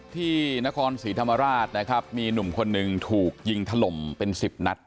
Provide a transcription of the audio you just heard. ที่นครศรีธรรมราชนะครับมีหนุ่มคนหนึ่งถูกยิงถล่มเป็น๑๐นัด